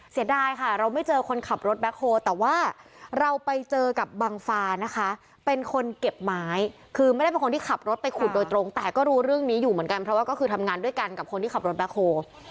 เสียดายค่ะเราไม่เจอคนขับรถแบ็คโฮลแต่ว่าเราไปเจอกับบังฟานะคะเป็นคนเก็บไม้คือไม่ได้เป็นคนที่ขับรถไปขุดโดยตรงแต่ก็รู้เรื่องนี้อยู่เหมือนกันเพราะว่าก็คือทำงานด้วยกันกับคนที่ขับรถแบ็คโฮ